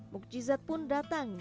mukjizat pun datang